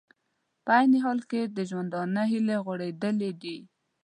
په عین حال کې د ژوندانه هیلې غوړېدلې دي